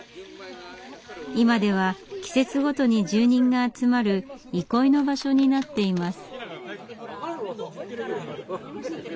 今では季節ごとに住人が集まる憩いの場所になっています。